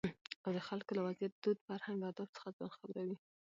او دخلکو له وضعيت، دود، فرهنګ اداب څخه ځان خبروي.